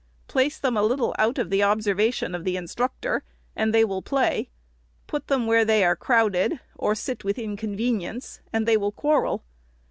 Place them a little out of the observation of the instructor, and they will play ; put them where they are crowded, or sit with inconve nience, and they will quarrel.